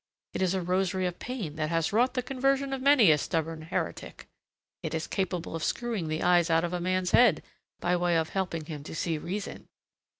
It is a rosary of pain that has wrought the conversion of many a stubborn heretic. It is capable of screwing the eyes out of a man's head by way of helping him to see reason.